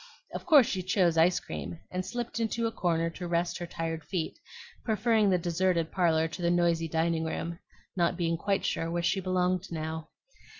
Of course she chose ice cream, and slipped into a corner to rest her tired feet, preferring the deserted parlor to the noisy dining room, not being quite sure where she belonged now.